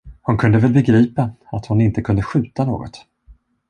Hon kunde väl begripa, att hon inte kunde skjuta något.